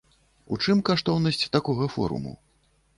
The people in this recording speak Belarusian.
У чым каштоўнасць такога форуму?